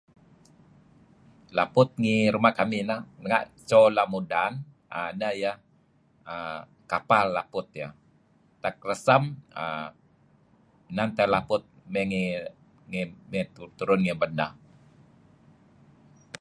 Laput ngi ruma' kamih nah nga' so nuk la' mudannah iyah inah kapal laput tak rasem inan teh laput may ngi turun ngi baneh.